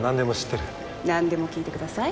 なんでも聞いてください。